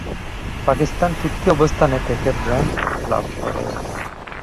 পাকিস্তান তৃতীয় অবস্থানে থেকে ব্রোঞ্জ লাভ করেন।